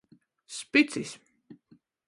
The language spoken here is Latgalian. Spicis.